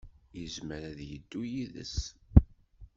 Yezmer ad yeddu yid-s.